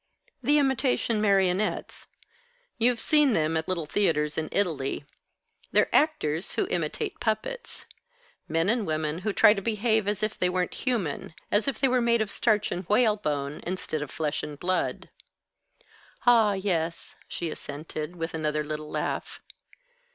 "The imitation marionettes. You've seen them at little theatres in Italy. They're actors who imitate puppets. Men and women who try to behave as if they weren't human, as if they were made of starch and whalebone, instead of flesh and blood." "Ah, yes," she assented, with another little laugh.